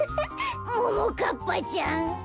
ももかっぱちゃん。